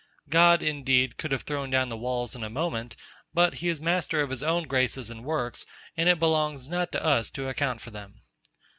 God, indeed, could have thrown down the walls in a moment; but he is master of his own graces and works, and it belongs not to us to account for them.